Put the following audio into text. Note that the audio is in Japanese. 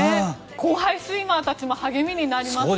後輩スイマーたちも励みになりますよね。